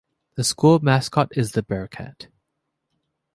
The school mascot is the Bearcat.